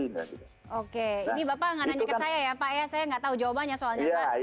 ini bapak nggak nanya ke saya ya pak saya nggak tahu jawabannya soalnya